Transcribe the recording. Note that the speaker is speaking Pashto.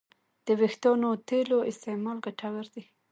د وېښتیانو تېلو استعمال ګټور دی.